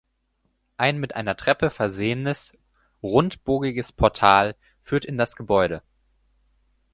Ein mit einer Treppe versehenes rundbogiges Portal führt in das Gebäude.